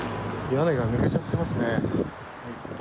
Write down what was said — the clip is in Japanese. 屋根が抜けちゃってますね。